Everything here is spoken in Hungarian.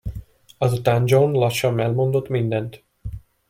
Azután John lassan elmondott mindent.